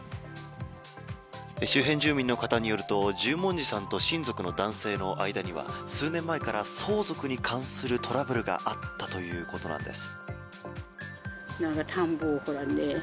周辺住民の方によると十文字さんと親族の男性の間には数年前から相続に関するトラブルがあったということなんです。